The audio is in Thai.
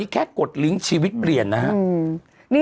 แค่กดลิ้งค์ชีวิตเปลี่ยนนะฮะ